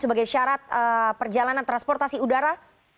sebagai syarat perjalanan transportasi udara